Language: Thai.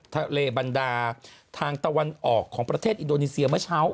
ทางตะวันออกของประเทศอินโดนีเซียเมื่อเช้า